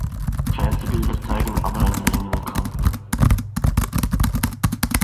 Fernsehbilder zeigen aber einen längeren Kampf.